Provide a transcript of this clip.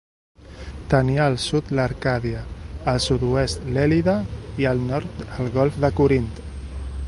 Tenia al sud l'Arcàdia, al sud-oest l'Èlide i al nord el golf de Corint.